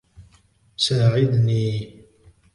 ساعدني!